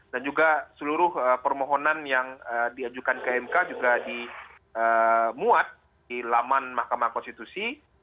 dan juga seluruh permohonan yang diajukan ke mk juga dimuat di laman mahkamah konstitusi